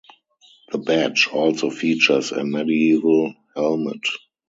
The badge also features a medieval helmet.